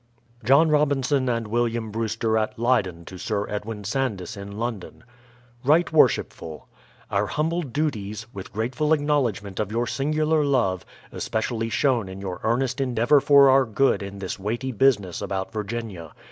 John Robinson and JVilliatn Brewster at Lcyden to Sir Edwin Sandys in London: Right Worshipful, Our humble duties, with grateful acknowledgment of your singu lar love, especially shown in your earnest endeavour for our good in this weighty business about Virginia.